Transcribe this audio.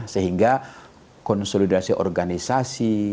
sehingga konsolidasi organisasi